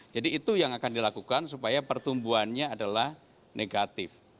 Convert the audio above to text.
jadi itu yang akan dilakukan supaya pertumbuhannya adalah negatif